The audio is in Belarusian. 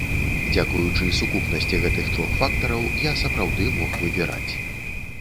Дзякуючы сукупнасці гэтых трох фактараў, я сапраўды мог выбіраць.